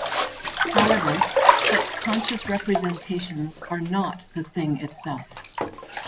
However, such conscious representations are not the thing-itself.